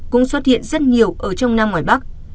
cũng xuất hiện rất nhiều ở trong nam ngoài bắc